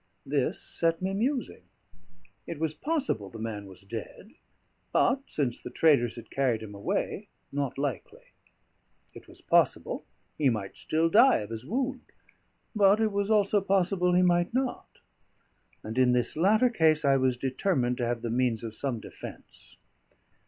This set me musing. It was possible the man was dead; but, since the traders had carried him away, not likely. It was possible he might still die of his wound; but it was also possible he might not. And in this latter case I was determined to have the means of some defence.